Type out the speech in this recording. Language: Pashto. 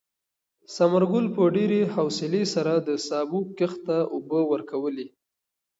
ثمر ګل په ډېرې حوصلې سره د سابو کښت ته اوبه ورکولې.